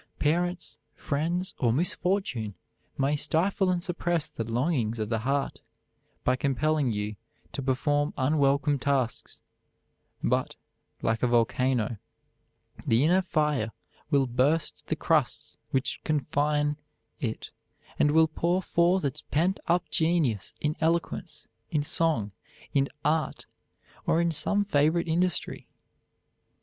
Parents, friends, or misfortune may stifle and suppress the longings of the heart, by compelling you to perform unwelcome tasks; but, like a volcano, the inner fire will burst the crusts which confine it and will pour forth its pent up genius in eloquence, in song, in art, or in some favorite industry.